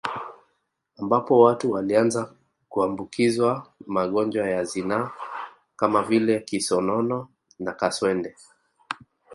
Ambapo watu walianza kuambukizwa magonjwa ya zinaa kama vile kisonono na kaswende